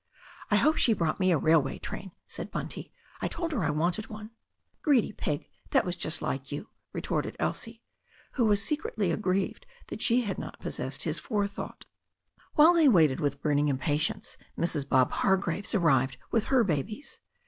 "I hope she brought me a railway train," said Bunty. "I told her I wanted one." "Greedy pig I That was just like you," retorted Elsie, who was secretly aggrieved that she had not possessed his forethought. While they waited with burning impatience, Mrs. Bob Hargraves arrived with her babies.